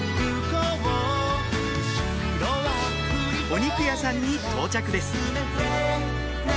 お肉屋さんに到着です